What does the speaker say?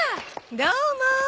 どうも。